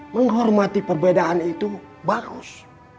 menghormati perbedaan itu bagus